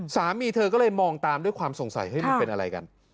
สามีเธอก็เลยมองตามด้วยความสงสัยมันเป็นอะไรกัน